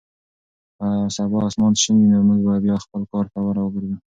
که سبا اسمان شین وي نو موږ به بیا خپل کار ته راوګرځو.